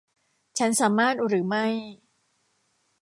ฉันสามารถหรือไม่ ?